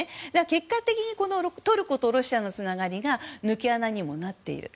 結果的にトルコとロシアのつながりが抜け穴にもなっている。